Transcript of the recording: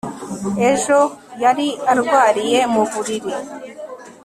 ejo yari arwariye mu buriri